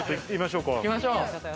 行きましょう。